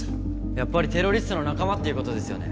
・やっぱりテロリストの仲間っていうことですよね？